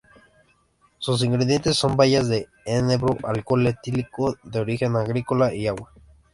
Sus ingredientes son bayas de enebro, alcohol etílico de origen agrícola y agua.